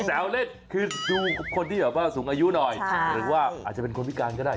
สาวเล่นคือดูคนที่แบบว่าสูงอายุหน่อยหรือว่าอาจจะเป็นคนพิการก็ได้